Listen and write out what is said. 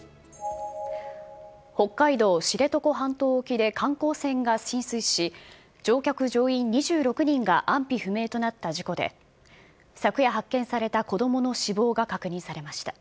北海道知床半島沖で観光船が浸水し、乗客・乗員２６人が安否不明となった事故で、昨夜、発見された子どもの死亡が確認されました。